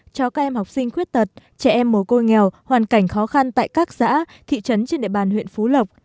cho các em học sinh khuyết tật trẻ em mồ côi nghèo hoàn cảnh khó khăn tại các xã thị trấn trên địa bàn huyện phú lộc